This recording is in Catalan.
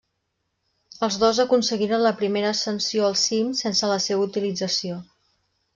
Els dos aconseguiren la primera ascensió al cim sense la seva utilització.